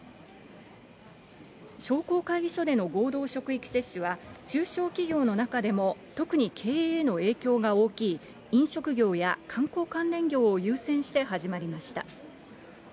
商工会議所での合同職域接種は、中小企業の中でも特に経営への影響が大きい、飲食業や観光関連業を優先して始まりました。